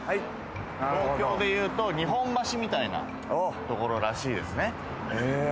東京でいうと日本橋みたいなところらしいですね。